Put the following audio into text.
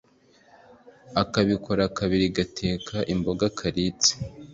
Akabikora kabizi gateka imboga karitse.